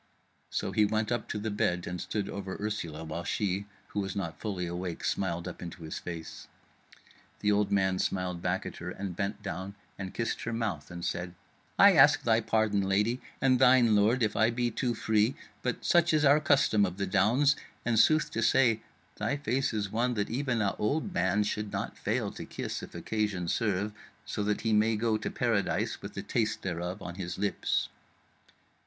So he went up to the bed and stood over Ursula, while she, who was not fully awake, smiled up into his face. The old man smiled back at her and bent down and kissed her mouth, and said: "I ask thy pardon, lady, and thine, my lord, if I be too free, but such is our custom of the Downs; and sooth to say thy face is one that even a old man should not fail to kiss if occasion serve, so that he may go to paradise with the taste thereof on his lips."